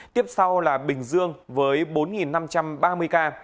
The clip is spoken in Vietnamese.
tiếp sau là bình dương với bốn năm trăm ba mươi ca